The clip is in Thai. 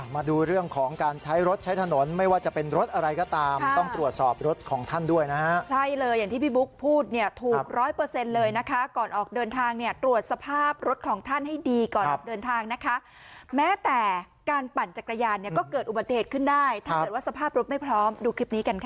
มาดูเรื่องของการใช้รถใช้ถนนไม่ว่าจะเป็นรถอะไรก็ตามต้องตรวจสอบรถของท่านด้วยนะฮะใช่เลยอย่างที่พี่บุ๊คพูดเนี่ยถูกร้อยเปอร์เซ็นต์เลยนะคะก่อนออกเดินทางเนี่ยตรวจสภาพรถของท่านให้ดีก่อนออกเดินทางนะคะแม้แต่การปั่นจักรยานเนี่ยก็เกิดอุบัติเหตุขึ้นได้ถ้าเกิดว่าสภาพรถไม่พร้อมดูคลิปนี้กันค่ะ